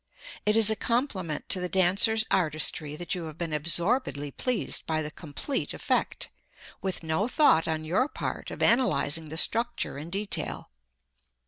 It is a compliment to the dancer's artistry that you have been absorbedly pleased by the complete effect, with no thought on your part of analyzing the structure in detail.